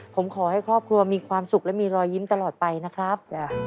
ผมขอให้ครอบครัวมีความสุขและมีรอยยิ้มตลอดไปนะครับ